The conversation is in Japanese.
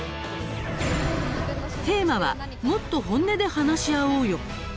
テーマは「もっと本音で話し合おうよ」。